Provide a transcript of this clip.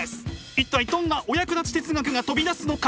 一体どんなお役立ち哲学が飛び出すのか。